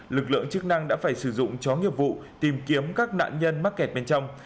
lực lượng chức năng đã phải sử dụng chó nghiệp vụ tìm kiếm các nạn nhân mắc kẹt bên trong